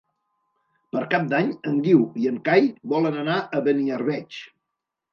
Per Cap d'Any en Guiu i en Cai volen anar a Beniarbeig.